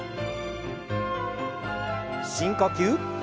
深呼吸。